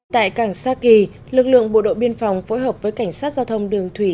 tại cảng sa kỳ lực lượng bộ đội biên phòng phối hợp với cảnh sát giao thông đường thủy